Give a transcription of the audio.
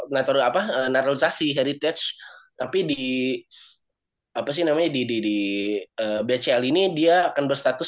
natural apa narosasi heritage tapi di apa sih namanya di di di bcl ini dia akan berstatus